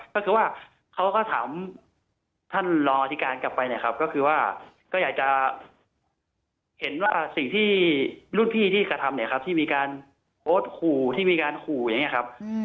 ก็คือว่าเขาก็ถามท่านรองอธิการกลับไปเนี่ยครับก็คือว่าก็อยากจะเห็นว่าสิ่งที่รุ่นพี่ที่กระทำเนี่ยครับที่มีการโพสต์ขู่ที่มีการขู่อย่างนี้ครับ